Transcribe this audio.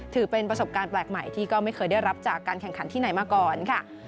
ถือเป็นประสบการณ์แปลกใหม่ที่ก็ไม่เคยได้รับจากการแข่งขันที่ไหนมาก่อนค่ะ